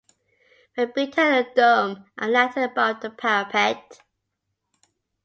When built it had a dome and lantern above the parapet.